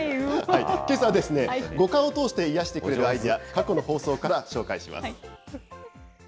けさは五感を通して癒してくれるアイデア、過去の放送から紹介します。